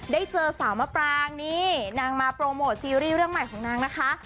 ได้เจอสาวมะปรางนี่นางมาโปรโมทซีรีส์เรื่องใหม่ของนางนะคะ